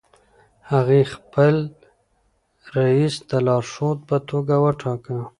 هغې خپل رییس د لارښود په توګه وټاکه.